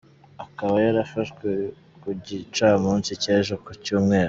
Akaba yarafashwe ku gicamunsi cy’ejo ku Cyumweru.